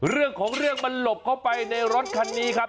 เรื่องของเรื่องมันหลบเข้าไปในรถคันนี้ครับ